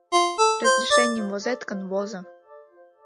— Разрешенийым возет гын, возо!